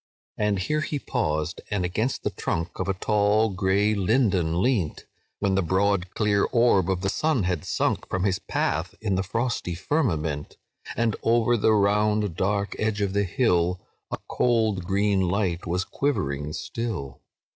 "And here he paused, and against the trunk Of a tall grey linden leant, When the broad clear orb of the sun had sunk From his path in the frosty firmament, And over the round dark edge of the hill A cold green light was quivering still.